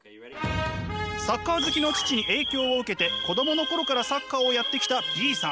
サッカー好きの父に影響を受けて子供の頃からサッカーをやってきたＢさん。